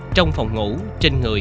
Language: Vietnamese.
trong phòng ngủ trên người